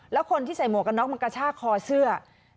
แล้วคนที่ใส่หมวกกันน็อกมันกระชากคอเสื้อ